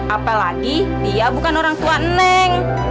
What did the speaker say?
apalagi dia bukan orang tua neng